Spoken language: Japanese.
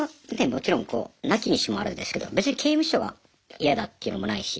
もちろんなきにしもあらずですけど別に刑務所がやだっていうのもないし。